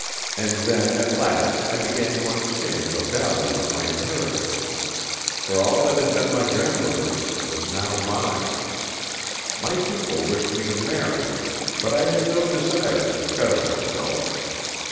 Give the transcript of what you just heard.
And then at last I began to understand the value of my inheritance; for all that had been my grandmother's was now mine. My people wished me to marry, but I had no desire to fetter myself.